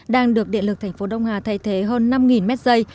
đang được điện lực tp đông hà thay thế hơn năm mét dây